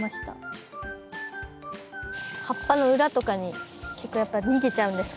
葉っぱの裏とかに結構やっぱ逃げちゃうんですかね。